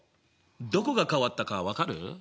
どこが変わったか分かる？